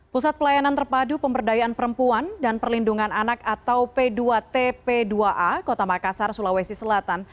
pusat pelayanan terpadu pemberdayaan perempuan dan perlindungan anak atau p dua tp dua a kota makassar sulawesi selatan